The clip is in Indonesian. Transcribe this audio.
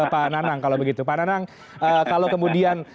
pak anang kalau begitu pak anang kalau kemudian